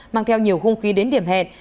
mang theo nhiều hung khi đến điểm hẹn